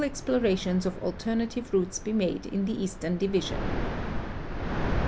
\j)lorations of alternatiA'e routes be made in the eastern diA'ision.